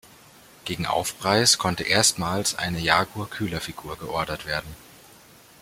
Gegen Aufpreis konnte erstmals eine Jaguar-Kühlerfigur geordert werden.